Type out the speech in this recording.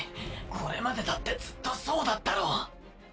これまでだってずっとそうだったろ！